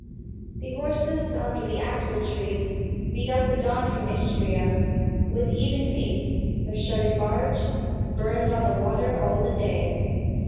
The horses, under the axletree Beat up the dawn from Istria With even feet. Her shuttered barge Burned on the water all the day.